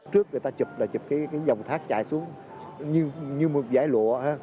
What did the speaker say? trước người ta chụp là chụp cái dòng thác chạy xuống như một dải lụa